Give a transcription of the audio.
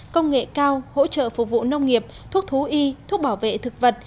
công nghệ cao hỗ trợ phục vụ nông nghiệp thuốc thú y thuốc bảo vệ thực vật